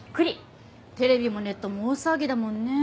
テレビもネットも大騒ぎだもんね。